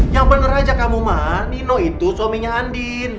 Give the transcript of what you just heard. yang bener aja kamu mah nino itu suaminya andin